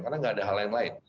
karena nggak ada hal lain lain